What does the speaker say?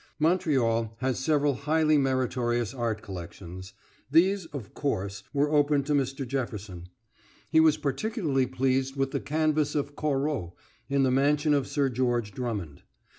Montreal has several highly meritorious art collections: these, of Course, were open to Mr. Jefferson. He was particularly pleased with the canvases of Corot in the mansion of Sir George Drummond.